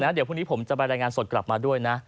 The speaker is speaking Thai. เดี๋ยวพรุ่งนี้ผมจะไปรายงานสดกลับมาด้วยนะ